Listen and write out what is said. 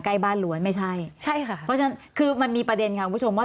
ไกลบ้านหลวนไม่ใช่ใช่ค่ะว่าฉันคือมันมีประเด็นยังว่า